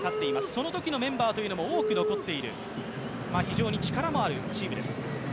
そのときのメンバーも多く残っている、非常に力のあるチームです。